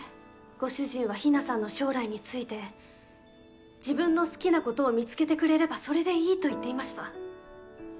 ご主人は日奈さんの将来について「自分の好きなことを見つけてくれればそれでいい」と言っていました。